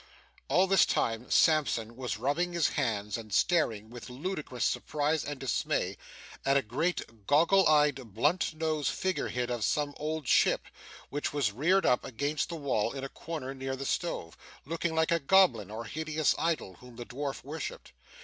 All this time, Sampson was rubbing his hands, and staring, with ludicrous surprise and dismay, at a great, goggle eyed, blunt nosed figure head of some old ship, which was reared up against the wall in a corner near the stove, looking like a goblin or hideous idol whom the dwarf worshipped.